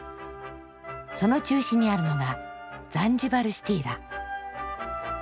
その中心にあるのがザンジバルシティだ。